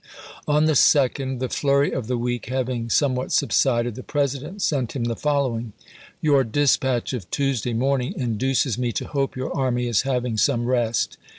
p 7i. On the 2d, the flurry of the week having some what subsided, the President sent him the fol lowing : Your dispatch of Tuesday morning induces me to hope your army is having some rest.